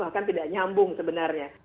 bahkan tidak nyambung sebenarnya